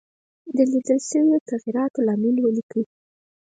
د لیدل شوو تغیراتو لامل ولیکئ.